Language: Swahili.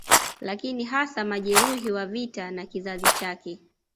Lakini hasa majeruhi wa vita na kizazi chake